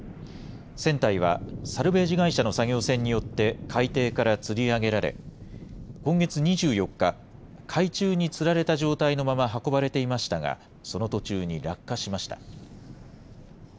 船体はサルベージ会社の作業船によって海底からつり上げられ、今月２４日、海中につられた状態のまま運ばれていましたが、その途中に落下しました。